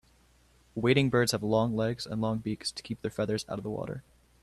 Wading birds have long legs and long beaks to keep their feathers out of the water.